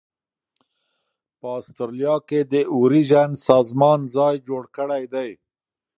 په اسټرالیا کې د اوریجن سازمان ځای جوړ کړی دی.